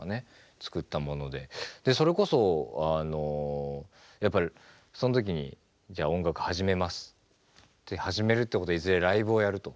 作ったものでそれこそやっぱりその時にじゃあ音楽始めますって始めるってことはいずれライブをやると。